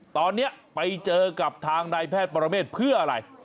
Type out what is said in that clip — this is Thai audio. ตอนนี้ไปเจอกับทางนายแพทย์ปรเมฆเพื่ออะไร